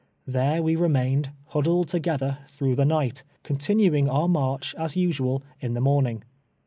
There we remained, huddled together, through the night, con tinuing our march, as usual, in the morning.